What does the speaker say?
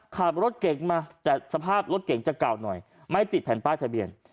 ขับรถเก่งมาแต่สภาพรถเก่งจะเก่าหน่อยไม่ติดแผ่นป้ายทะเบียน